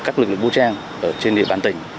các lực lượng vũ trang ở trên địa bàn tỉnh